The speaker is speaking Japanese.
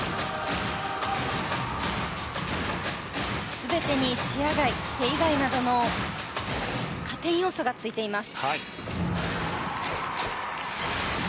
全てに視野外、手以外などの加点要素がついています。